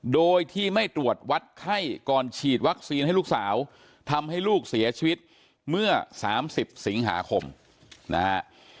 โดยที่ไม่ตรวจวัดไข้ก่อนฉีดวัคซีนให้ลูกสาวทำให้ลูกเสียชีวิตเมื่อ๓๐สิงหาคมนะฮะ